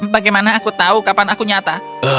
bagaimana aku tahu kapan aku nyata